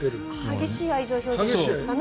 激しい愛情表現なんですかね。